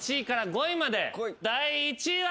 第１位は！？